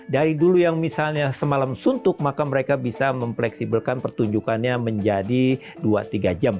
dari dulu yang misalnya semalam suntuk maka mereka bisa mempleksibelkan pertunjukannya menjadi dua tiga jam